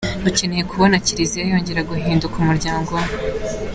Dukeneye kubona Kiliziya yongera guhinduka umuryango umwe.